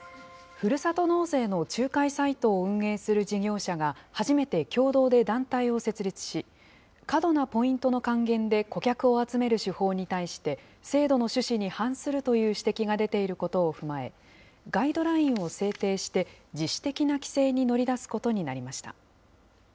ふるさと納税の仲介サイトを運営する事業者が、初めて共同で団体を設立し、過度なポイントの還元で顧客を集める手法に対して、制度の趣旨に反するという指摘が出ていることを踏まえ、ガイドラインを制定して、自主的な規制に乗り出すことになりました。